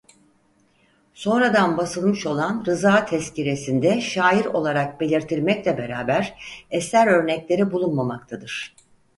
Sonradan basılmış olan "Rıza Tezkiresi"nde şair olarak belirtilmekle beraber eser örnekleri bulunmamaktadır.